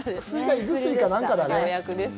胃薬か何かだね。